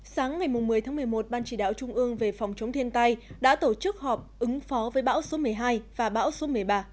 sáng ngày một mươi tháng một mươi một ban chỉ đạo trung ương về phòng chống thiên tai đã tổ chức họp ứng phó với bão số một mươi hai và bão số một mươi ba